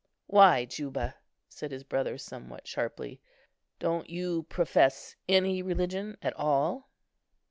"Why, Juba?" said his brother somewhat sharply; "don't you profess any religion at all?"